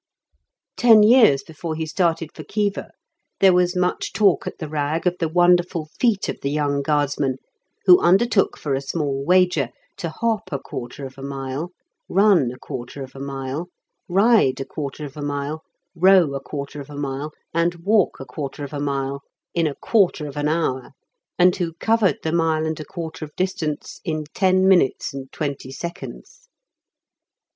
Ten years before he started for Khiva, there was much talk at the Rag of the wonderful feat of the young Guardsman, who undertook for a small wager to hop a quarter of a mile, run a quarter of a mile, ride a quarter of a mile, row a quarter of a mile, and walk a quarter of a mile in a quarter of an hour, and who covered the mile and a quarter of distance in ten minutes and twenty seconds.